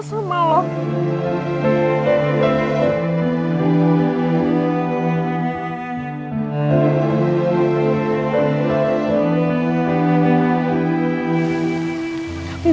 bahasa indonesia kan